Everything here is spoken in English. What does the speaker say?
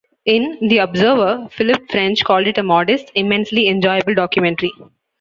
In "The Observer", Philip French called it a "modest, immensely enjoyable documentary".